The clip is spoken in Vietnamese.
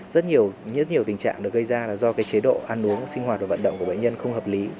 rất nhiều tình trạng được gây ra do chế độ ăn uống sinh hoạt và vận động của bệnh nhân không hợp lý